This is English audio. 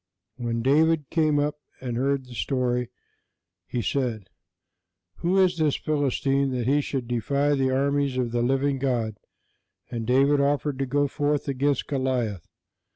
When David came up and heard the story, he said: "Who is this Philistine, that he should defy the armies of the living God?" And David offered to go forth against Goliath.